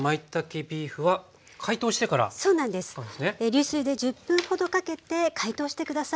流水で１０分ほどかけて解凍して下さい。